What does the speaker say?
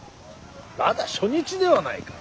まだ初日ではないか。